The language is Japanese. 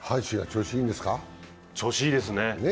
調子いいですね。